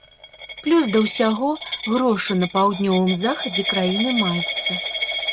Плюс да ўсяго грошы на паўднёвым захадзе краіны маюцца.